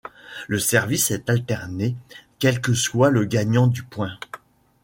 Le service est alterné, quel que soit le gagnant du point.